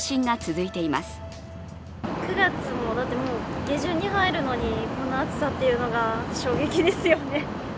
９月も下旬に入るのにこの暑さというのが衝撃ですよね。